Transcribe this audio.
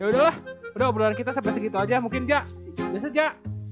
yaudahlah udah obrolan kita sampai segitu aja mungkin ja biasa ja